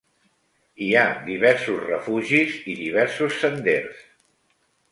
Hi ha diversos refugis i diversos senders.